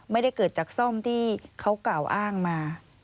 ไม่ได้เกิดจากซ่อมที่เขากล่าวอ้างมา